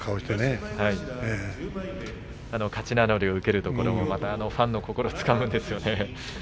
勝ち名乗りを受けるところもファンの心をつかむんですよね。